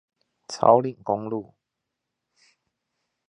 草嶺公路